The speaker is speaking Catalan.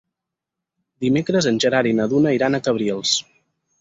Dimecres en Gerard i na Duna iran a Cabrils.